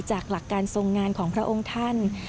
หลักการทรงงานของพระองค์ท่าน